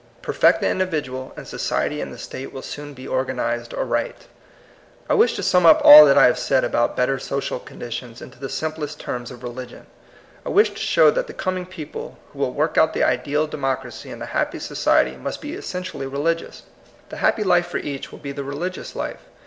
Perfect the individual, and society and the state will soon be organized aright. I wish to sum up all that I have said about better social conditions into the sim plest terms of religion. I wish to show that the coming people who will work out the ideal democracy and the happy society must be essentially religious. The happy THE HAPPY LIFE, 191 life for each will be the religious life.